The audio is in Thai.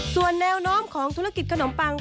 ส่วนแนวโน้มของธุรกิจขนมปัง